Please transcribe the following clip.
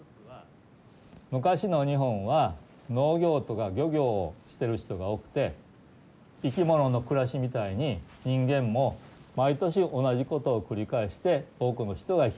昔の日本は農業とか漁業をしてる人が多くて生き物の暮らしみたいに人間も毎年同じことを繰り返して多くの人が生きていました。